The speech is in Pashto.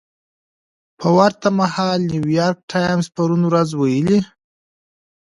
په ورته مهال نیویارک ټایمز پرون ورځ ویلي